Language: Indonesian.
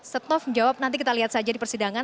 setof menjawab nanti kita lihat saja di persidangan